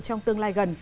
trong tương lai